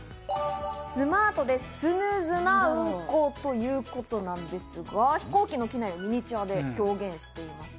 スマートでスムーズな運行ということなんですが、飛行機の機内をミニチュアで表現しています。